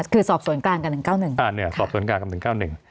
คือสอบส่วนกลางกับ๑๙๑